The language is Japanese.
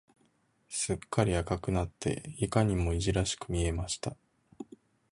すっかり赤くなって、いかにもいじらしく見えました。